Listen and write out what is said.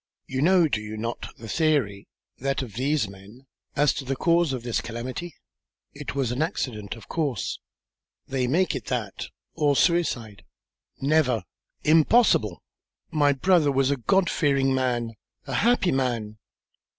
You know, do you not, the theory, that of these men, as to the cause of this calamity?" "It was an accident, of course." "They make it that, or suicide." "Never! Impossible! My brother was a God fearing man, a happy man."